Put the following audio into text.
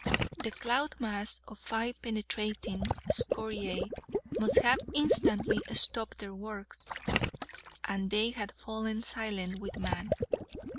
The cloud mass of fine penetrating scoriae must have instantly stopped their works, and they had fallen silent with man.